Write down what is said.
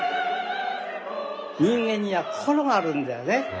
人間には心があるんだよね。